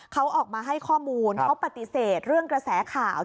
เขาออกมาให้ข้อมูลเขาปฏิเสธเรื่องกระแสข่าว